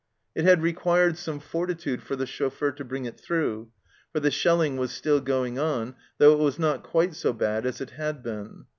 It had required some fortitude for the chauffeur to bring it through, for the shelling was still going on, though it was not quite so bad as it had been.